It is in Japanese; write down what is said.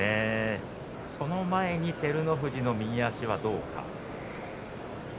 その前に照ノ富士の右足はどうか。